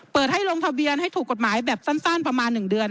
เปิดให้ลงทะเบียนให้ถูกกฎหมายแบบสั้นประมาณ๑เดือน